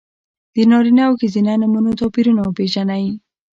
د نارینه او ښځینه نومونو توپیرونه وپېژنئ!